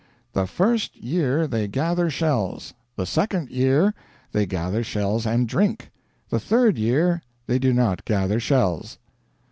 "The first year they gather shells; the second year they gather shells and drink; the third year they do not gather shells."